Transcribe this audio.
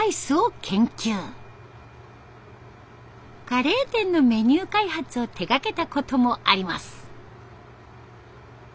カレー店のメニュー開発を手がけたこともあります。